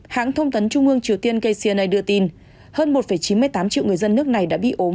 hãng thông tấn trung ương triều tiên kcna đưa tin hơn một chín mươi tám triệu người dân nước này đã bị ốm